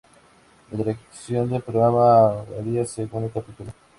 La dirección del programa varía según el capítulo.